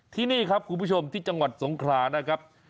ที่นี่ครับคุณผู้ชมที่จังหวัดสงขลานะครับ